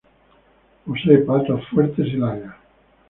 Posee patas fuertes y largas.